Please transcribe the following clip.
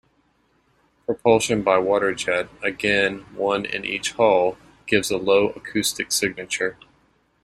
Propulsion by water jet, again one in each hull, gives a low acoustic signature.